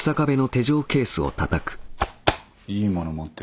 いいもの持ってるな。